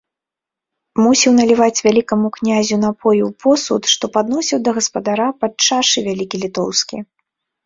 Мусіў наліваць вялікаму князю напоі ў посуд, што падносіў да гаспадара падчашы вялікі літоўскі.